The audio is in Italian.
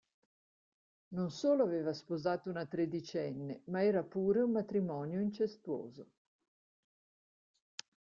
Non solo aveva sposato una tredicenne, ma era pure un matrimonio incestuoso.